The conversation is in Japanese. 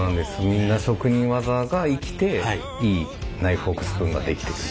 みんな職人技が生きていいナイフフォークスプーンが出来てく。